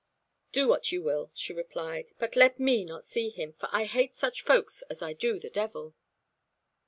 "Do what you will," she replied, "but let me not see him, for I hate such folk as I do the devil."